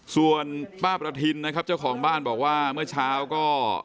ส่วนป้าประทินนะครับเจ้าของบ้านบอกว่าเมื่อเช้าก็